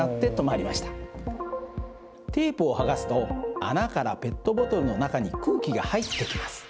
テープを剥がすと穴からペットボトルの中に空気が入ってきます。